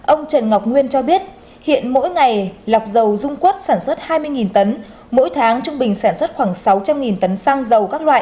ông trần ngọc nguyên cho biết hiện mỗi ngày lọc dầu dung quất sản xuất hai mươi tấn mỗi tháng trung bình sản xuất khoảng sáu trăm linh tấn xăng dầu các loại